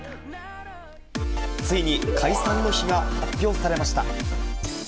ついに解散の日が発表されました。